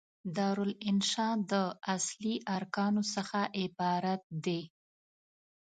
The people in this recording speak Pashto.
دارالانشأ د اصلي ارکانو څخه عبارت دي.